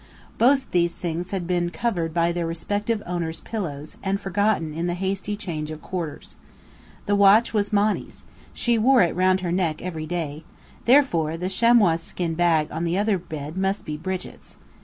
Both these things had been covered by their respective owners' pillows, and forgotten in the hasty change of quarters. The watch was Monny's. She wore it round her neck every day therefore the chamois skin bag on the other bed must be Brigit's.